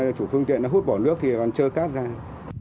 bây giờ chủ vương tiện nó hút bỏ nước thì còn chưa đầy